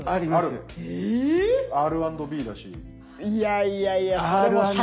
いやいやいやそれ